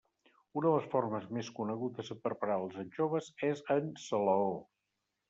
Una de les formes més conegudes de preparar les anxoves és en salaó.